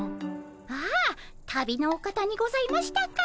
ああ旅のお方にございましたか。